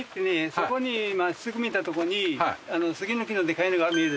そこに真っすぐ見たところに杉の木のでかいのが見える。